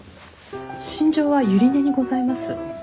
しんじょは百合根にございます。